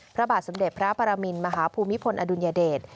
พระบาทสมเด็จพระปรมินมหาภูมิพลอดุลยเดช